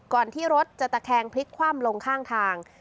ที่รถจะตะแคงพลิกคว่ำลงข้างทาง